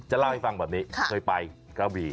จะเล่าให้ฟังแบบนี้เคยไปเก้าบี